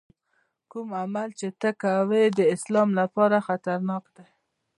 کوم عمل چې ته یې کوې د اسلام لپاره خطرناک دی.